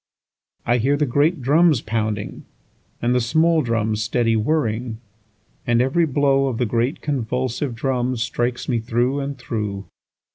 4I hear the great drums pounding, And the small drums steady whirring; And every blow of the great convulsive drums, Strikes me through and through.